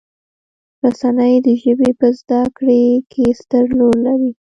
رسنۍ د ژبې په زده کړې کې ستر رول لري.